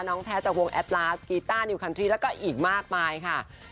แพ้จากวงแอดลาสกีต้านิวคันทรี่แล้วก็อีกมากมายค่ะ